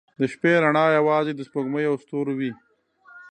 • د شپې رڼا یوازې د سپوږمۍ او ستورو وي.